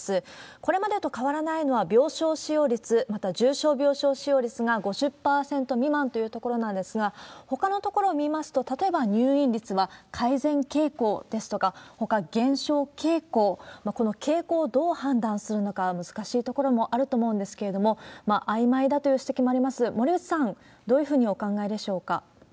これまでと変わらないのは病床使用率、また重症病床使用率が５０％未満というところなんですが、ほかのところを見ますと、例えば、入院率は改善傾向ですとか、ほか減少傾向、この傾向をどう判断するのか、難しいところもあると思うんですけれども、あいまいだという指摘もあります、森内さん、どういうふうにお考えでしょうか？